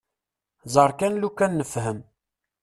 Ẓer kan lukan nefhem.